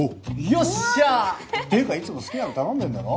よっしゃー！っていうかいつも好きなの頼んでるだろ。